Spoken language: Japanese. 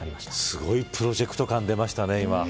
すごいプロジェクト感出ましたね。